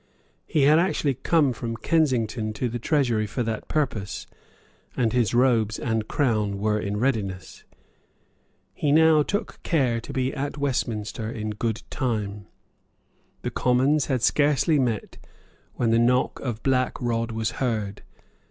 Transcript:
He had actually come from Kensington to the Treasury for that purpose; and his robes and crown were in readiness. He now took care to be at Westminster in good time. The Commons had scarcely met when the knock of Black Rod was heard.